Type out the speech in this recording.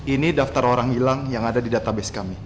ini daftar orang hilang yang ada di database kami